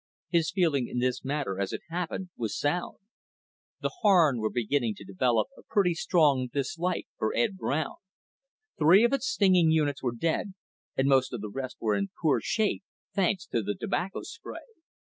His feeling in this matter, as it happened, was sound. The Harn was beginning to develop a pretty strong dislike for Ed Brown. Three of its stinging units were dead, and most of the rest were in poor shape, thanks to the tobacco spray.